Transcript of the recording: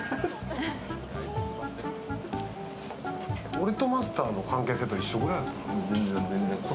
俺とマスターの関係性と同じぐらいやな。